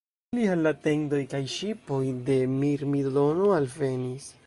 Ili al la tendoj kaj ŝipoj de Mirmidonoj alvenis.